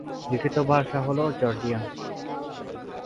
লিখিত ভাষা হল জর্জিয়ান।